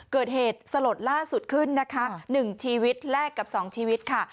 เกิดเหตุสลดล่าสุดขึ้นนะคะ๑ชีวิตแลกกับ๒ชีวิตค่ะ